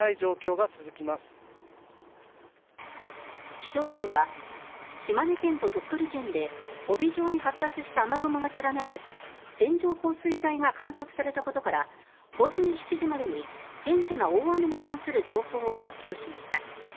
気象庁は島根県と鳥取県で帯状に発達した雨雲が連なる線状降水帯が観測されたことから午前７時までに顕著な大雨に関する情報を発表しました。